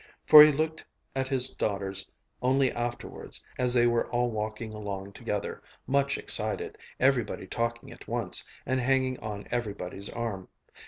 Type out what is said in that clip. For he looked at his daughters only afterwards, as they were all walking along together, much excited, everybody talking at once, and hanging on everybody's arm."...